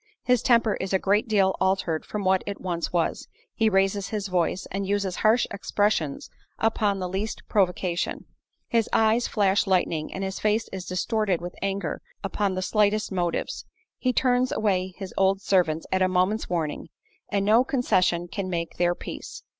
His temper is a great deal altered from what it once was—he raises his voice, and uses harsh expressions upon the least provocation—his eyes flash lightning, and his face is distorted with anger upon the slightest motives—he turns away his old servants at a moment's warning, and no concession can make their peace.